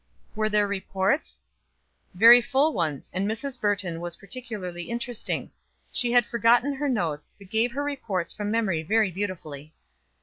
"Were there reports?" "Very full ones, and Mrs. Burton was particularly interesting. She had forgotten her notes, but gave her reports from memory very beautifully."